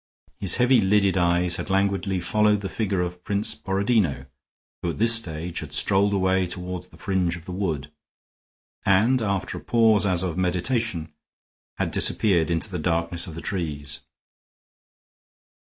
His heavy lidded eyes had languidly followed the figure of Prince Borodino, who at this stage had strolled away toward the fringe of the wood; and, after a pause, as of meditation, had disappeared into the darkness of the trees.